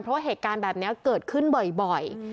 เพราะว่าเหตุการณ์แบบนี้เกิดขึ้นบ่อย